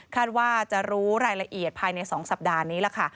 ว่าจะรู้รายละเอียดภายใน๒สัปดาห์นี้ล่ะค่ะ